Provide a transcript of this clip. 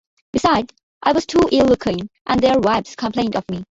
Besides, I was too ill-looking, and their wives complained of me.